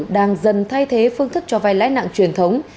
đang dần thay thế phương thức cho vai lãi nặng truyền thống